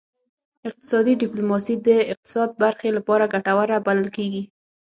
اقتصادي ډیپلوماسي د اقتصاد برخې لپاره ګټوره بلل کیږي